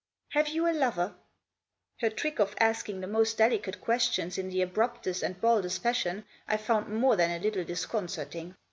" Have you a lover ?" Her trick of asking the most delicate questions in the abruptest and baldest fashion I found more than a little disconcerting.